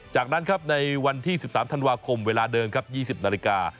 จากนั้นครับในวันที่๑๓ธันวาคมเวลาเดิมครับ๒๐นาฬิกา